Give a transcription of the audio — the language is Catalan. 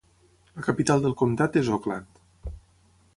La capital del comtat és Oakland.